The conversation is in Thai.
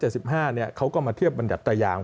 สัก๑๗๕เขาก็มาเทียบบัญจัตรยาง